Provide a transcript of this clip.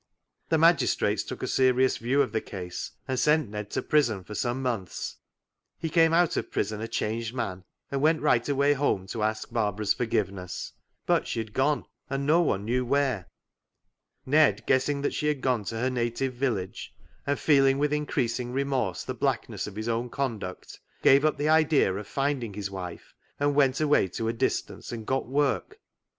The magistrates took a serious view of the case, and sent Ned to prison for some months. " He came out of prison a changed man, and went right away home to ask Barbara's forgiveness. But she had gone, and no one 26 CLOG SHOP CHRONICLES knew where. Ned guessing that she had gone to her native village, and feeling with in creasing remorse the blackness of his own conduct, gave up the idea of finding his wife and went away to a distance and got work.